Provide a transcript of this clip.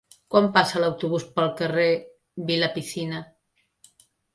Quan passa l'autobús pel carrer Vilapicina?